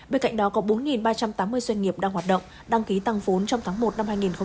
bên cạnh đó có bốn ba trăm tám mươi doanh nghiệp đang hoạt động đăng ký tăng vốn trong tháng một năm hai nghìn hai mươi